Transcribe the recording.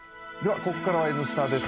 ここからは「Ｎスタ」です。